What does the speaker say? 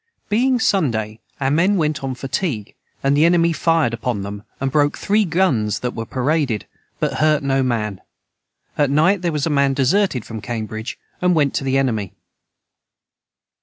Being Sunday our men went on fatigue and the enemy fired upon them and broke three guns that were paraded but hurt no man at night their was a man deserted from cambridg and went to the enemy.